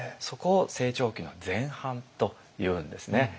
そこを成長期の前半というんですね。